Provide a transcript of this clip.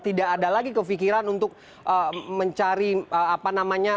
tidak ada lagi kefikiran untuk mencari apa namanya